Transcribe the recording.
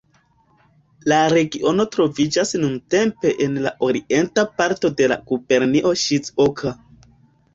La regiono troviĝas nuntempe en la orienta parto de la gubernio Ŝizuoka.